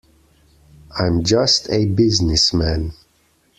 I'm just a business man.